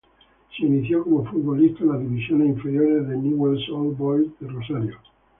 Se inició como futbolista en las divisiones inferiores de Newell's Old Boys de Rosario.